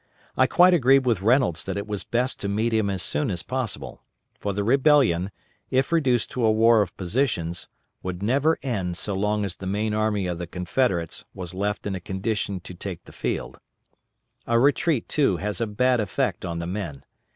I quite agreed with Reynolds that it was best to meet him as soon as possible, for the rebellion, if reduced to a war of positions, would never end so long as the main army of the Confederates was left in a condition to take the field. A retreat, too, has a bad effect on the men.